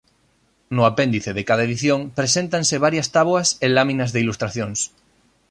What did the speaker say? No apéndice de cada edición preséntanse varias táboas e láminas de ilustracións.